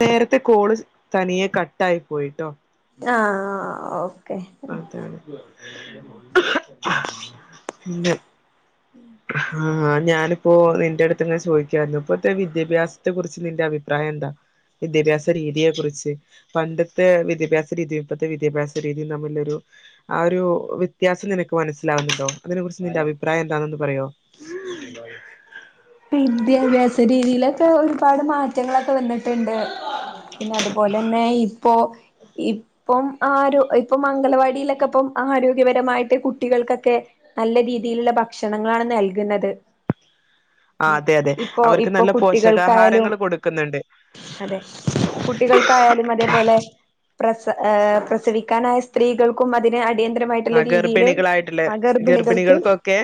നേരത്തെ കോള് തനിയെ കട്ടായി പോയിട്ടോ ആ ഓ അ അതാണ് പിന്നെ ആ ഞാന് ഇപ്പോ എന്റെ അടുത്ത് ഇങ്ങ ചോയിക്ക ഇപ്പത്തെ വിദ്യാഭ്യാസത്തെ കുറിച്ച് നിന്റെ അഭിപ്രായം എന്താ വിദ്യാഭ്യാസ രീതിയെ കുറിച്ച് പണ്ടത്തെ വിദ്യാഭ്യാസ രീതി ഇപ്പത്തെ വിദ്യാഭ്യാസ രീ തമ്മിലൊരു ആ ഒരു വ്യത്യാസം നിനക്ക് മനസ്സിലാവുന്നുണ്ടോ അതിനെ കുറിച്ച് നിന്റെ അഭിപ്രായം എന്താണന്ന് പറയോ വിദ്യാഭ്യാസ രീതിയിലൊക്കെ ഒരുപാട് മാ റ്റങ്ങളൊക്കെ വന്നിട്ടുണ്ട് പിന്നെ അതുപോലെ തന്നെ ഇപ്പോ ഇപ്പം ആര ഇപ്പം മംഗലവാടിയിലൊക്കെ ഇപ്പം ആരോഗ്യപരമായിട്ട് കുട്ടികൾക്കൊക്കെ നല്ല രീതിയിലുള്ള ഭക്ഷണങ്ങളാണ് നൽകുന്നത് ആഹ് അതെ അതെ ഇപ്പൊ അവർക്ക് ഇപ്പൊ നല്ല കുട്ടികൾക്കായാലും പോഷകാഹാരങ്ങൾ കൊടുക്കുന്നുണ്ട് അതെ കുട്ടികൾക്കായാലും അതേപോലെ പ്രസ പ്രസവിക്കാനായ സ്ത്രീകൾക്കും അതിനടി ആ ഗർഭിണികളായിട്ടുള്ളേ ഗർഭിണികൾക്ക് ഗർഭിണികൾക്കൊക്കെ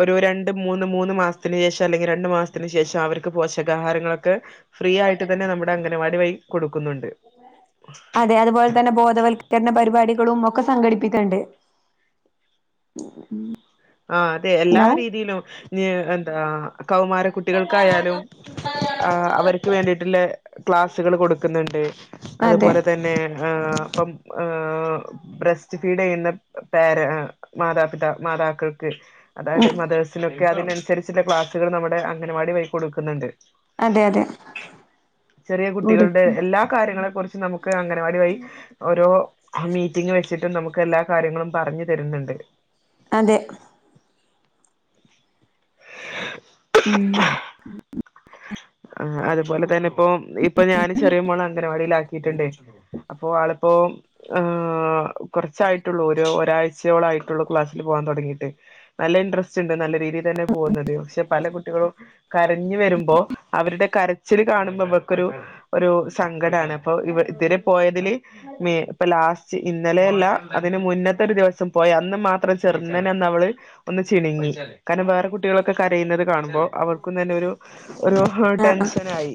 ഒരു രണ്ട് മൂന്ന് മൂന്ന് മാസത്തിന് ശേഷം അല്ലെങ്കി രണ്ടു മാസത്തിന് ശേഷം അവർക്ക് പോഷകാഹാരങ്ങളൊ ക് ഫ്രീ ആയിട്ട് തന്നെ നമ്മുടെഅംഗ വാടി വൈ കൊടുക്കും അതെ അതുപോലെ തന്നെ ബോധവൽക്കരണ പരിപാടിക കളും ഒക്കെ സംഘടിപ്പിക്കുണ്ട് ആഹ് അതെ എല്ലാ രീതിയിലും എന്താ കൗമാര കുട്ടികൾക്കായാലും അവർക്ക് വേണ്ടിയിട്ടുള്ള ക്ലാസ്സുകൾ കൊടുക്കുന്നുണ്ട് അതെ അതുപോലെ തന്നെ അപ്പം ബ്രസ്റ്റ് ഫീഡ് ചെയ്യുന്ന പ്പം മാതാപിത മാതാക്കൾ ക് അതായത് ഉം മദേഴ്സിനെ ഒ അതിനനുസരിച്ചുള്ള ക്ലാസ്സുകൾ നമ്മുടെ അംഗൻവാടി വഴി കൊടുക്കുന്നുണ്ട് അതെ അതെ ചെറിയ കുട്ടികളുടെ കൊടുക്ക് എല്ലാ കാര്യങ്ങളെ കുറി നമുക്ക് അംഗൻവാടി വഴി ഓരോ മീറ്റിംഗ് വെച്ചിട്ടും നമുക്ക് എല്ലാ കാര്യങ്ങളും പറഞ്ഞു തരുന്നുണ്ട് അതെ ഉം ആ അതുപോലെ തന്നെ ഇപ്പം ഇപ്പ ഞാന് ചെറിയ മോളെ അംഗനവാടിയിൽ ആക്കിയിട്ടുണ്ടേ അപ്പൊ ആളിപ്പോ ആ കുറച്ചായിട്ടുള്ളൂ ഒരു ഒരാഴ്ച ചയോളായിട്ടുള്ളു ക്ലാസിൽ പോവാൻ തുടങ്ങിയിട്ട് നല്ല ഇൻട്രറസ്റ്റ് ഉണ്ട് നല്ല രീതിയി തന്നെ പോകുന്നത് പക്ഷെ പല കു ട്ടികളും കരഞ്ഞു വരുമ്പോ അവരുടെ കരച്ചില് കാണുമ്പോ നമ്മക്കൊരു ഒരു സങ്കടാണ് അപ്പൊ ഇവ ഇതുവരെ പോയതില് മേ ഇപ്പ ലാസ്റ്റ് ഇന്നലെയല്ല അതിന് മുന്നത്തെ ഒരു ദിവസം പോയ അന്ന് മാത്രം ചെറുന്നനെ ഒന്ന് അവള് ഒന്ന് ചിണിങ്ങി കാരണം വേറെ കുട്ടികളൊക്കെ കരയുന്നത് കാണുമ്പോൾ അവൾക്കൊന്നു തന്നെ ഒരു ഒരു ഹോ ആഹ് ടെൻഷനായി